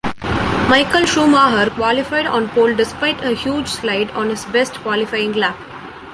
Michael Schumacher qualified on pole despite a huge slide on his best qualifying lap.